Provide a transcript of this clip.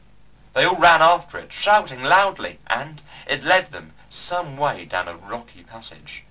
They all ran after it, shouting loudly, and it led them some way down a rocky passage.